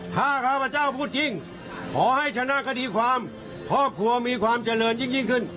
ถ้าข้าพเจ้าพูดจริงขอให้ชนะคดีความครอบครัวมีความเจริญยิ่งขึ้น